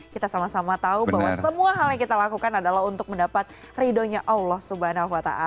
kita sama sama tahu bahwa semua hal yang kita lakukan adalah untuk mendapat ridhonya allah swt